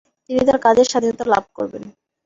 তিনি তার কাজের স্বাধীনতা লাভ করবেন।